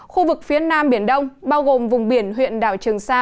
khu vực phía nam biển đông bao gồm vùng biển huyện đảo trường sa